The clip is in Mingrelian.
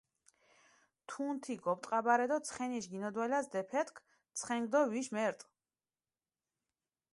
თუნთი გოპტყაბარე დო ცხენიშ გინოდვალას დეფეთჷ ცხენქ დო ვიშ მერტჷ.